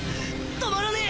止まらねえ！